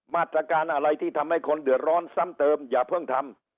มาตรการอะไรที่ทำให้คนเดือดร้อนซ้ำเติมอย่าเพิ่งทำ